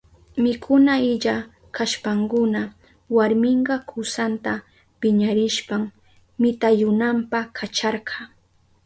Mikuna illa kashpankuna warminka kusanta piñarishpan mitayunanpa kacharka.